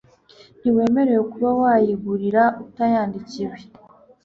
ntiwemerewe kuba wayigurira utayandikiwe.